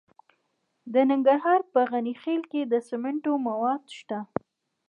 د ننګرهار په غني خیل کې د سمنټو مواد شته.